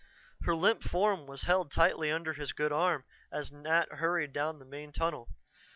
Her limp form was held tightly under his good arm as Nat hurried down the main tunnel.